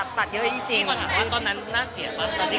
มีปัญหากว่าตอนนั้นน่าเสียปะตอนนี้เขาพูดคำพูดนั้นอะไรอย่างนี้